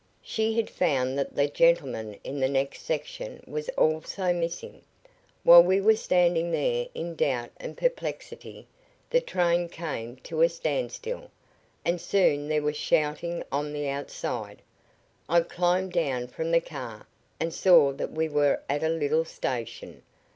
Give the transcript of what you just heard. "She had found that the gentleman in the next section was also missing. While we were standing there in doubt and perplexity, the train came to a standstill, and soon there was shouting on the outside. I climbed down from the car and saw that we were at a little station.